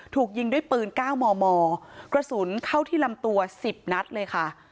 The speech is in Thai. ถูกยิงด้วยปืน๙มมกระสุนเข้าที่ลำตัว๑๐นัดเลยค่ะ